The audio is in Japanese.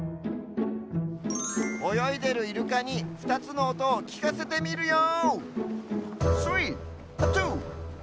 およいでるイルカに２つのおとをきかせてみるよ！